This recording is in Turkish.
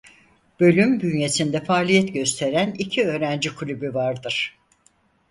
Bölüm bünyesinde faaliyet gösteren iki öğrenci kulübü vardır.